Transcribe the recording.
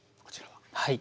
はい。